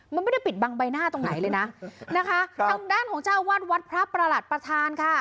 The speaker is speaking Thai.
มันไม่ได้ปิดบังใบหน้าตรงไหนเลยนะนะคะทางด้านของเจ้าวาดวัดพระประหลัดประธานค่ะ